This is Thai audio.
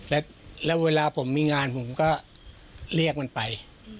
แล้วเวลาผมมีงานผมก็เรียกมันไป